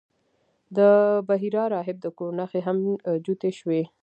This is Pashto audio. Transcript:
د بحیرا راهب د کور نښې هم جوتې شوې.